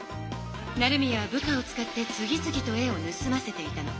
成宮は部下を使って次つぎと絵をぬすませていたの。